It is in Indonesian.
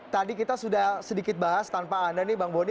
tadi kita sudah sedikit bahas tanpa anda nih bang boni